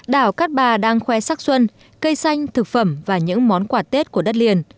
đảo cát bà đang khoe sắc xuân cây xanh thực phẩm và những món quà tết của đất liền